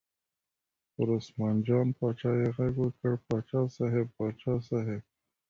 پر عثمان جان باچا یې غږ وکړ: باچا صاحب، باچا صاحب.